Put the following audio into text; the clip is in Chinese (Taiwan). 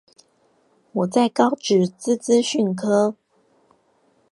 我在高職資資訊科